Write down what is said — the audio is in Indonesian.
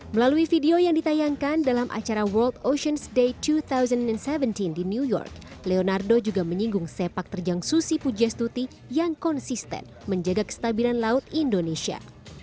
melalui video yang ditayangkan dalam acara world oceans day dua ribu tujuh belas di new york leonardo juga menyinggung sepak terjang susi pujastuti yang konsisten menjaga kestabilan laut indonesia